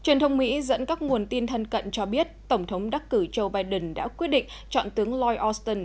truyền thông mỹ dẫn các nguồn tin thân cận cho biết tổng thống đắc cử joe biden đã quyết định chọn tướng loy auston